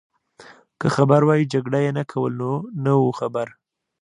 که خبر وای جګړه يې نه کول، نو نه وو خبر.